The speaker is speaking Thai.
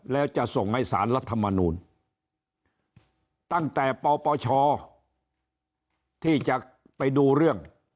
แล้วจะส่งให้สารรัฐมนูลตั้งแต่ปปชที่จะไปดูเรื่อง